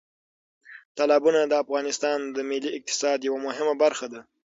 تالابونه د افغانستان د ملي اقتصاد یوه مهمه برخه ده.